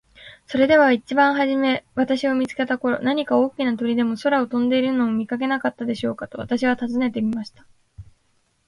「それでは一番はじめ私を見つけた頃、何か大きな鳥でも空を飛んでいるのを見かけなかったでしょうか。」と私は尋ねてみました。